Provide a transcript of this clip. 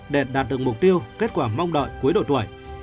để đạt được mục tiêu kết quả mong đợi cuối độ tuổi